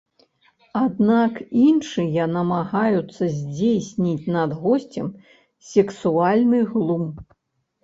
Аднак іншыя намагаюцца здзейсніць над госцем сексуальны глум.